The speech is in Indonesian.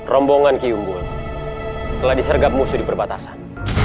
rombongan kiumbun telah disergap musuh di perbatasan